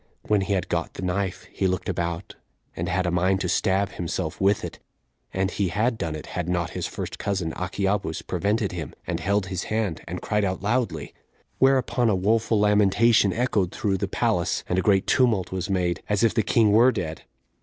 When he had got the knife, he looked about, and had a mind to stab himself with it; and he had done it, had not his first cousin, Achiabus, prevented him, and held his hand, and cried out loudly. Whereupon a woeful lamentation echoed through the palace, and a great tumult was made, as if the king were dead.